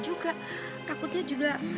juga takutnya juga